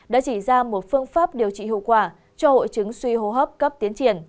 đã chỉ ra một phương pháp điều trị hiệu quả cho hội chứng suy hô hấp cấp tiến triển